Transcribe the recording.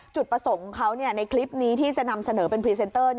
จุดประสงค์ของเขาในคลิปนี้ที่จะนำเสนอเป็นพรีเซนเตอร์